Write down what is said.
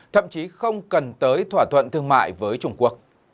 thậm chí không cần tới thỏa thuận thương mại với trung quốc